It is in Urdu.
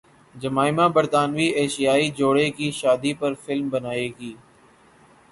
جمائما برطانوی ایشیائی جوڑے کی شادی پر فلم بنائیں گی